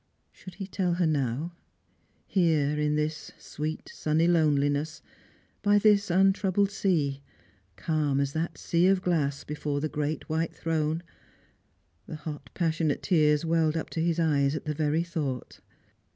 _ Should he tell her now; here in this sweet sunny loneliness, by this untroubled sea, calm as that sea of glass before the great white throne ? The hot passionate tears welled up to his eyes at the very thought.